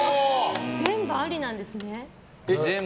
全部ありなんですね。